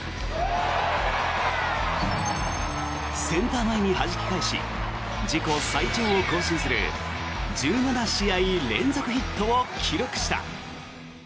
センター前にはじき返し自己最長を更新する１７試合連続ヒットを記録した。